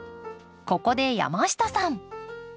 ここで山下さん。